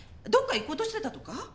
どこか行こうとしてたとか？